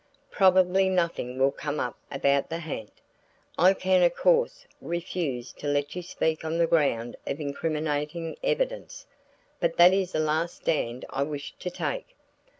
Probably nothing will come up about the ha'nt. I can of course refuse to let you speak on the ground of incriminating evidence, but that is the last stand I wish to take.